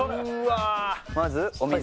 まずお水。